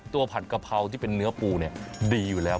ผัดกะเพราที่เป็นเนื้อปูดีอยู่แล้ว